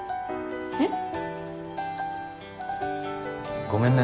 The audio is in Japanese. えっ？ごめんね。